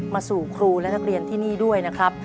มาสู่ครูและนักเรียนที่นี่ด้วยนะครับ